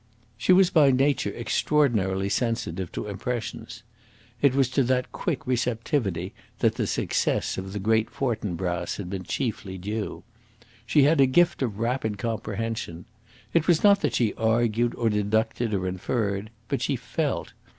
She was by nature extraordinarily sensitive to impressions. It was to that quick receptivity that the success of "The Great Fortinbras" had been chiefly due. She had a gift of rapid comprehension. It was not that she argued, or deducted, or inferred. But she felt.